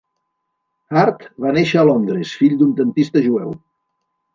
Hart va néixer a Londres, fill d'un dentista jueu.